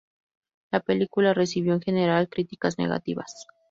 La película recibió en general críticas negativas.